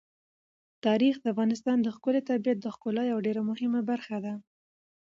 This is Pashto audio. تاریخ د افغانستان د ښکلي طبیعت د ښکلا یوه ډېره مهمه برخه ده.